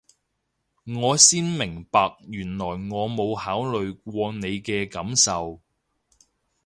我先明白原來我冇考慮過你嘅感受